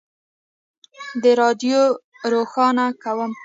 د رادیوم روښانه کوي.